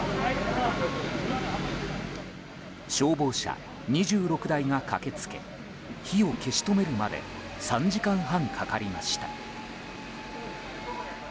消防車２６台が駆け付け火を消し止めるまで３時間半かかりました。